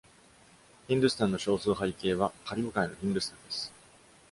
ヒンドゥスタンの少数派異形はカリブ海のヒンドゥスタンです。